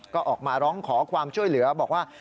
ก็ออกมาร้องขอความช่วยเหลือบอกว่า